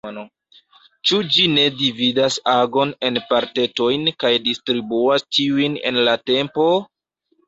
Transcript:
Ĉu ĝi ne dividas agon en partetojn kaj distribuas tiujn en la tempo?